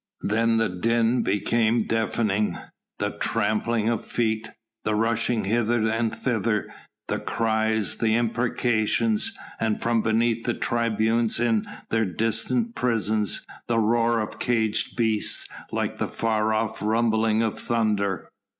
Then the din became deafening: the trampling of feet, the rushing hither and thither, the cries, the imprecations, and from beneath the tribunes in their distant prisons, the roar of caged beasts like the far off rumbling of thunder.